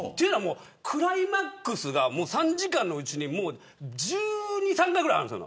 クライマックスが３時間のうちに１２、１３回ぐらいあるんです。